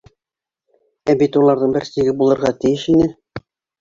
Ә бит уларҙың бер сиге булырға тейеш ине.